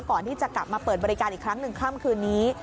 ก่อนที่จะกลับมาเปิดบริการอีกครั้งหนึ่งค่ำคืนนี้